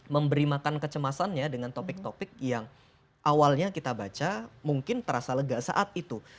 memberi makan kecemasannya dengan topik topik yang awalnya kita baca mungkin terasa lega saat itu